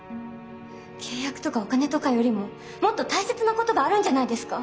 契約とかお金とかよりももっと大切なことがあるんじゃないですか？